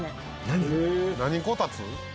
何こたつ？